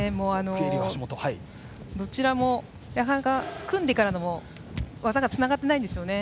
どちらもなかなか組んでからの技がつながっていないんですよね。